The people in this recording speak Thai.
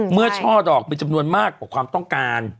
ช่อดอกมีจำนวนมากกว่าความต้องการ